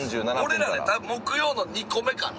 俺らね多分木曜の２個目かな。